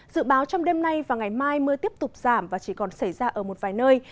dự báo trong đêm nay và ngày mai mưa tiếp tục giảm và chỉ còn xảy ra ở một vài nơi